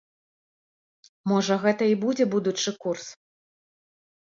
Можа гэта і будзе будучы курс?